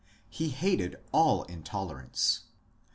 He hated all intolerance.